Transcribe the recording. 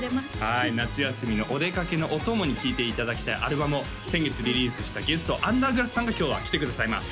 はい夏休みのお出かけのお供に聴いていただきたいアルバムを先月リリースしたゲストアンダーグラフさんが今日は来てくださいます